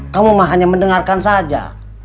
kamu hanya mendengarkan saja